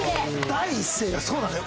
第一声がそうなのよ。